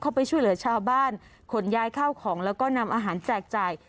เข้าไปช่วยเหลือชาวบ้านขนย้ายข้าวของแล้วก็นำอาหารแจกจ่าย